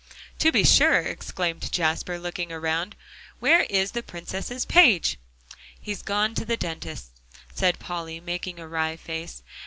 "To be sure," exclaimed Jasper, looking around, "where is the Princess's page?" "He's gone to the dentist's," said Polly, making a wry face.